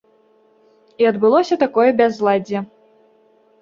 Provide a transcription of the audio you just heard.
І адбылося такое бязладдзе.